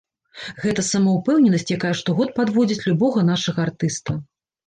Гэта самаўпэўненасць, якая штогод падводзіць любога нашага артыста.